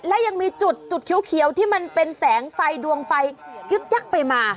และยังมีจุดเขียวที่มันเป็นแสงไฟดวงไฟยึกยักไปมา